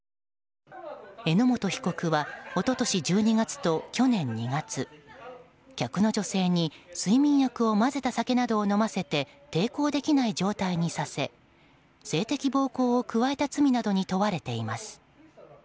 榎本被告は一昨年１２月と去年２月客の女性に睡眠薬を混ぜた酒などを飲ませ抵抗できない状態にさせ性的暴行を加えた罪などに問われています。